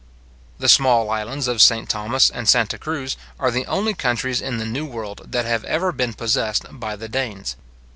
The small islands of St. Thomas and Santa Cruz, are the only countries in the new world that have ever been possessed by the Danes.